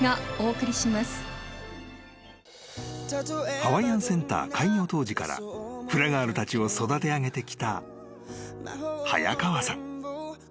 ［ハワイアンセンター開業当時からフラガールたちを育て上げてきた早川さん。